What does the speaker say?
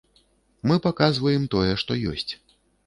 Мы паказваем тое, што ёсць.